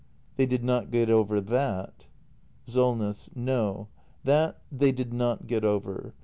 They did not get over that? SOLNESS. No, that they did not get over.